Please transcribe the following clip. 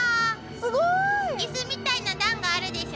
すごい！椅子みたいな段があるでしょ。